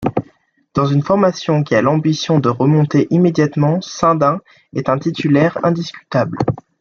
Dans une formation qui a l'ambition de remonter immédiatement, Sundin est un titulaire indiscutable.